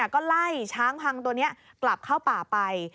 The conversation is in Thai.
ก็ไล่ช้างพังตัวนี้กลับเข้าป่าไป